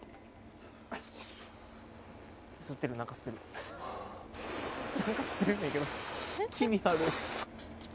吸ってる何か吸ってる何か吸ってるんやけど気味悪っ・